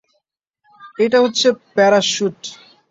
এটা হচ্ছে প্যারাশ্যুট।